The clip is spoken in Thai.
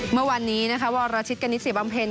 เมื่อวันนี้นะคะวอร์ราชิตกะนิดสี่บำเพล็น